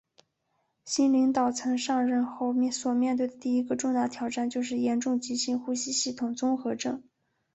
新领导层上任后所面对的第一个重大挑战就是严重急性呼吸系统综合症。